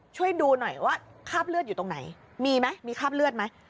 ช่วยดูหน่อยว่าคราบเลือดอยู่ตรงไหนมีไหมมีคราบเลือดไหม